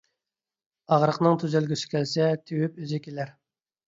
ئاغرىقنىڭ تۈزەلگۈسى كەلسە، تېۋىپ ئۆزى كېلەر.